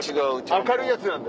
明るいヤツなんで。